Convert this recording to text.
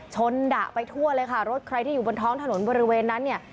ดะไปทั่วเลยค่ะรถใครที่อยู่บนท้องถนนบริเวณนั้นเนี่ย